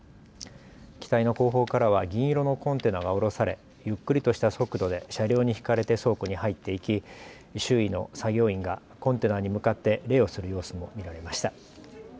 機体の後方からは銀色のコンテナがおろされ、ゆっくりとした速度で車両に引かれて倉庫に入っていき、周囲の作業員がコンテナに向かって礼をする様子も見られました。